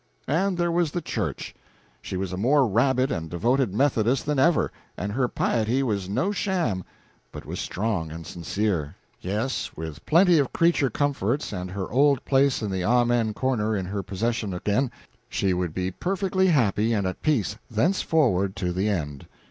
And there was the church. She was a more rabid and devoted Methodist than ever, and her piety was no sham, but was strong and sincere. Yes, with plenty of creature comforts and her old place in the amen corner in her possession again, she would be perfectly happy and at peace thenceforward to the end.